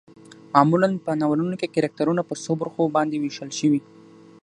معمولا په ناولونو کې کرکترنه په څو برخو باندې ويشل شوي